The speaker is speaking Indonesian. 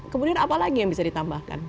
kemudian apa lagi yang bisa ditambahkan